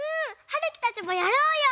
はるきたちもやろうよ！